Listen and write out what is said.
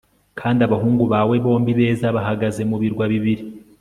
Kandi abahungu bawe bombi beza bahagaze mu birwa bibiri